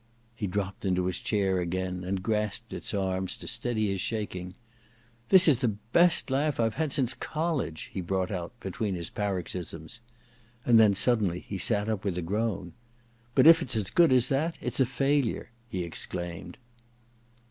He dropped into his chair again and grasped its arms to steady his shaking. * This is the best laugh I've hzid since college,' he brought out between his paroxysms. And then, suddenly, he sat up with a groan. * But if it's as good as that it's a failure !' he exclaimed.